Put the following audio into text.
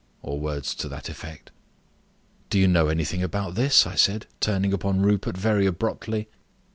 or words to that effect. "Do you know anything about this?" I said, turning upon Rupert very abruptly.